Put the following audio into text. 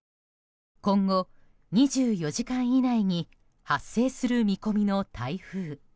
今後２４時間以内に発生する見込みの台風。